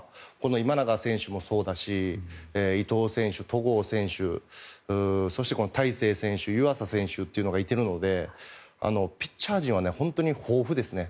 今永選手もそうだし伊藤選手戸郷選手そして、大勢選手、湯浅選手がいるのでピッチャー陣は本当に豊富ですね。